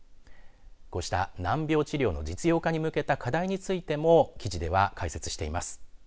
こうした難病治療の実用化に向けた課題についても記事では解説しています。